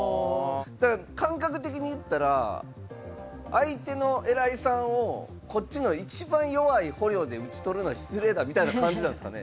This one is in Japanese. だから感覚的に言ったら相手の偉いさんをこっちの一番弱い捕虜で討ち取るのは失礼だみたいな感じなんですかね。